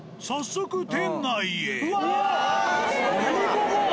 ここ！